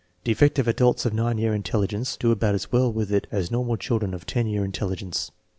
Defective adults of 9 year intelli gence do about as well with it as normal children of 10 year intelligence.